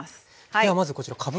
ではまずこちらかぶ。